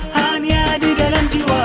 hanya di dalam jiwa